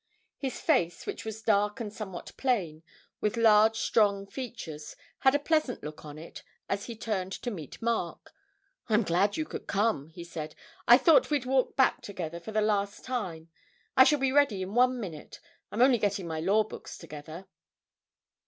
His face, which was dark and somewhat plain, with large, strong features, had a pleasant look on it as he turned to meet Mark. 'I'm glad you could come,' he said. 'I thought we'd walk back together for the last time. I shall be ready in one minute. I'm only getting my law books together.'